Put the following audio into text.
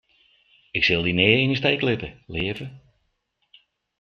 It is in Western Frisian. Ik sil dy nea yn 'e steek litte, leave.